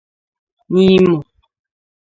Nimo